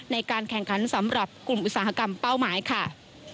ในการแข่งขันสำหรับกลุ่มอุตสาหกรรมเป้าหมายค่ะ